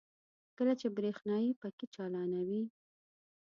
کله چې برېښنايي پکې چالانوي.